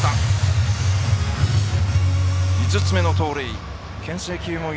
５つ目の盗塁。